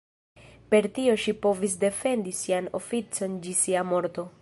Per tio ŝi povis defendi sian oficon ĝi sia morto.